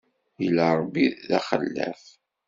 Illa Ṛebbi d axellaf.